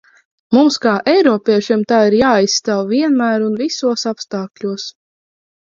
Mums kā eiropiešiem tā ir jāaizstāv vienmēr un visos apstākļos.